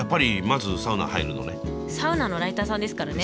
サウナのライターさんですからね。